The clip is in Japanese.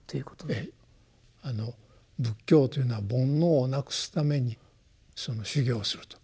ええあの仏教というのは煩悩をなくすために修行すると。